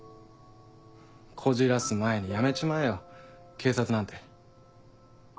こじらす前に辞めちまえよ警察なんて。